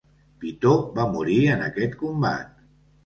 Pitó va morir en aquest combat.